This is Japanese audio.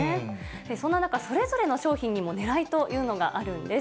そんな中、それぞれの商品にもねらいというのがあるんです。